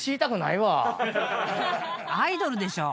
［アイドルでしょ！